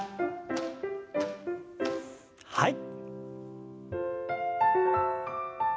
はい。